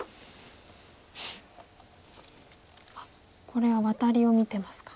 これはワタリを見てますか。